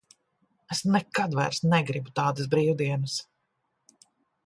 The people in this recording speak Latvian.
Es nekad vairs negribu tādas brīvdienas.